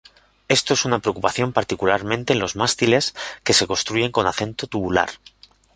Esto es una preocupación particularmente en los mástiles que se construyen con acero tubular.